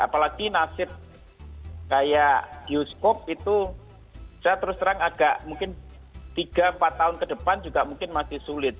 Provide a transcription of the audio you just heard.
apalagi nasib kayak bioskop itu saya terus terang agak mungkin tiga empat tahun ke depan juga mungkin masih sulit